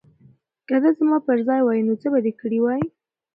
که ته زما پر ځای وای نو څه به دې کړي وای؟